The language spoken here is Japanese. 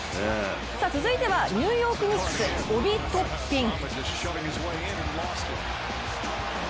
続いては、ニューヨークニックス、オビ・トッピン。